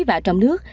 và trong nước